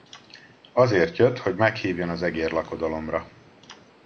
Azért jött, hogy meghívjon az egérlakodalomra.